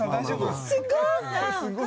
すっごい！